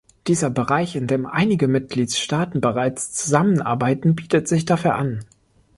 Dieser Bereich, in dem einige Mitgliedstaaten bereits zusammenarbeiten, bietet sich dafür an.